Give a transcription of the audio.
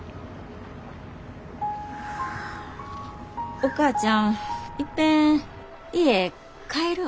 お母ちゃんいっぺん家帰るわ。